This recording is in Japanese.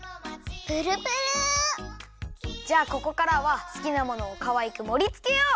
じゃあここからは好きなものをかわいくもりつけよう！